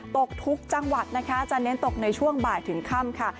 ตกทุกจังหวัดนะคะจะเน้นตกในช่วงบ่ายถึงค่ำค่ะ